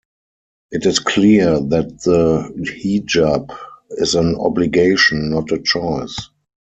It is clear that the hijab is an obligation, not a choice.